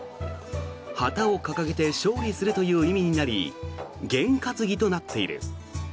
旗を掲げて勝利するという意味になりげん担ぎとなっている。